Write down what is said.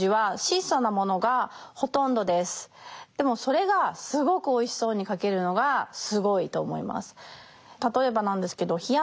でもそれがすごくおいしそうに書けるのがすごいと思います。